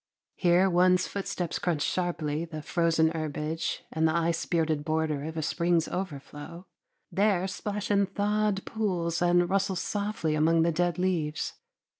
Here one's footsteps crunch sharply the frozen herbage and the ice bearded border of a spring's overflow; there splash in thawed pools and rustle softly among the dead leaves.